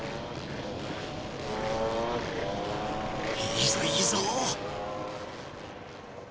いいぞいいぞ。